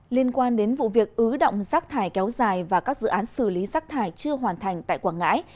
liên quan đến vụ việc ứ động rác thải kéo dài và các dự án xử lý rác thải chưa hoàn thành tại quảng ngãi